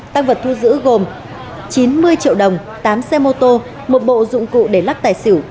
tăng vật thu giữ gồm chín mươi triệu đồng tám xe mô tô một bộ dụng cụ để lắc tài xỉu